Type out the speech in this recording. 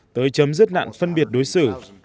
tới chấm dứt nạn phân biệt đối xử